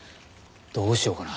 どうしようかな？